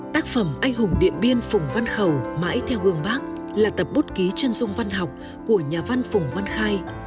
tác phẩm anh hùng điện biên phùng văn khẩu mãi theo gương bác là tập bút ký chân dung văn học của nhà văn phùng văn khai